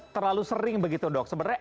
terlalu sering begitu dok sebenarnya